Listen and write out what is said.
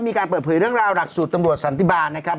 มีการเปิดเผยเรื่องราวหลักสูตรตำรวจสันติบาลนะครับ